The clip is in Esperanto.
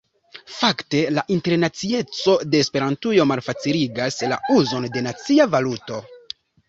Fakte la internacieco de Esperantujo malfaciligas la uzon de nacia valuto.